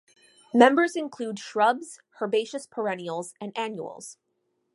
Members include shrubs, herbaceous perennials, and annuals.